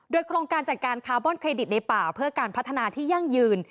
โดยโครงการจัดการคาร์บอนเครดิตในป่าเพื่อการพัฒนาที่ยั่งยืน